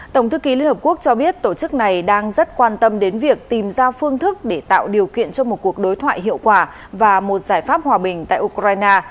tổng thư ký liên hợp quốc cho biết tổ chức này đang rất quan tâm đến việc tìm ra phương thức để tạo điều kiện cho một cuộc đối thoại hiệu quả và một giải pháp hòa bình tại ukraine